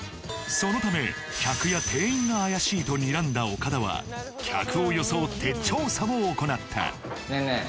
そのため客や店員が怪しいとにらんだ岡田は客を装って調査を行ったねえねえ